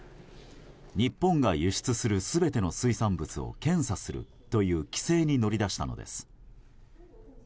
日本が輸出する全ての水産物を検査するという規制に乗り出したのです。